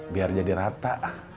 biar jadi rata